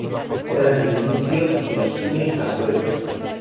Tras el inicio de "Gimme a Break!